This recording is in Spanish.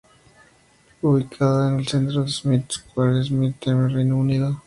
Ubicada en el centro de Smith Square, Westminster, Reino Unido.